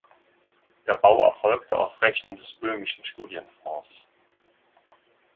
Der Bau erfolgte auf Rechnung des böhmischen Studienfonds.